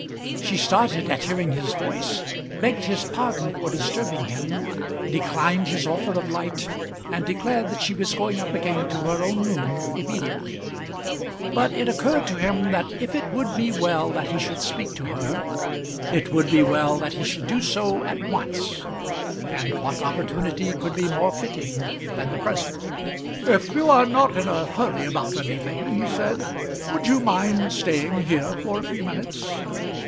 She started at hearing his voice, begged his pardon for disturbing him, declined his offer of light, and declared that she was going up again to her own room immediately. But it occurred to him that if it would be well that he should speak to her, it would be well that he should do so at once; and what opportunity could be more fitting than the present? "If you are not in a hurry about anything," he said, "would you mind staying here for a few minutes?"